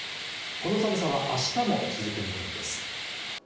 この寒さは明日も続く見込みです